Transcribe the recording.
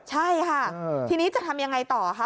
ใช่ค่ะทีนี้จะทำยังไงต่อคะ